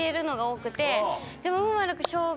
でも。